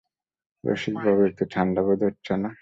রসিকবাবু, একটু ঠাণ্ডা বোধ হচ্ছে না?